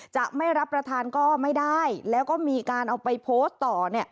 จะไม่รับประทานก็ไม่ได้แล้วก็มีการเอาไปโพสต์ต่อ